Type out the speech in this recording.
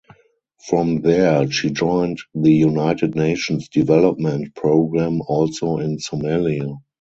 From there she joined the United Nations Development Programme also in Somalia.